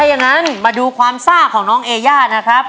อย่างนั้นมาดูความซ่าของน้องเอย่านะครับ